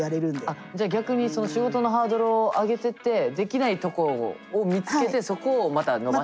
あっじゃあ逆に仕事のハードルを上げてってできないとこを見つけてそこをまた伸ばしてく。